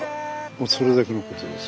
それだけのことです。